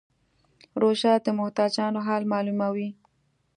روژه د محتاجانو حال معلوموي.